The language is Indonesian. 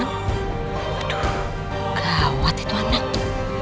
aduh gawat itu anak